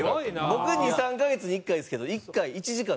僕２３カ月に１回ですけど１回。